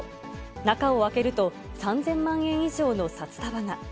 中を開けると、３０００万円以上の札束が。